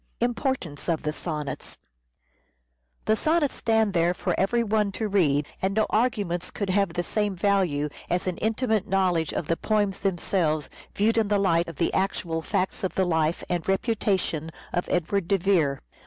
importance The Sonnets stand there for every one to read, and Sonnets. no arguments could have the same value as an intimate knowledge of the poems themselves viewed in the light of the actual facts of the life and reputation of Edward de Vere.